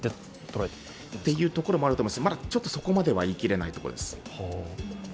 そういうところもあると思いますし、まだそこまでは言い切れないところです。